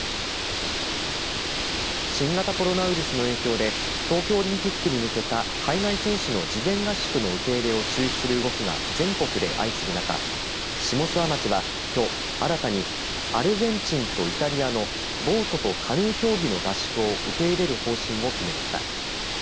新型コロナウイルスの影響で東京オリンピックに向けた海外選手の事前合宿の受け入れを中止する動きが全国で相次ぐ中下諏訪町はきょう新たにアルゼンチンとイタリアのボートとカヌー競技の合宿を受け入れる方針を決めました。